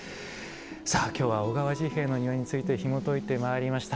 さあ、今日は小川治兵衛の庭についてひもといてまいりました。